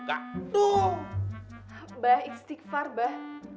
mbah istighfar mbah